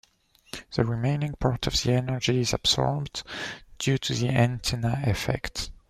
The remaining part of the energy is absorbed due to the antenna effect.